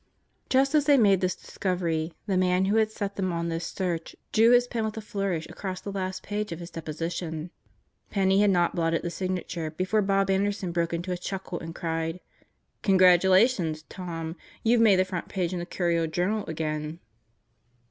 Just as they made this discovery, the man who had set them on this search drew his pen with a flourish across the last page of his deposition. Penney had not blotted the signature before Bob Anderson broke into a chuckle and cried: "Congratulations! Tom. You've made the front page in the Courier Journal again."